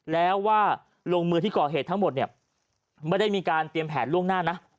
แล้วว่าลงมือที่ก่อเหตุทั้งหมดเนี่ยไม่ได้มีการเตรียมแผนล่วงหน้านะ